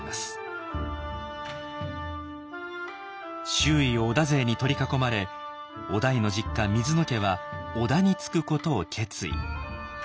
周囲を織田勢に取り囲まれ於大の実家水野家は織田につくことを決意。